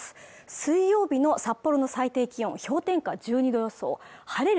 水曜日の札幌の最低気温氷点下１２度襲う晴れる